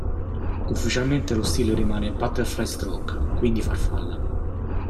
Ufficialmente lo stile rimane "butterfly stroke", quindi farfalla.